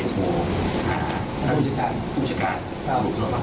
หกสิบล้าน